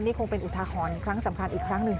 นี่คงเป็นอุทาหรณ์ครั้งสำคัญอีกครั้งหนึ่ง